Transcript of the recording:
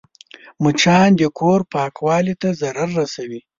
مچان د کور پاکوالي ته ضرر رسوي